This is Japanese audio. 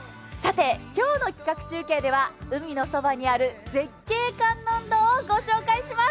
今日の規格中継では海のそばにある絶景観音堂をお届けします。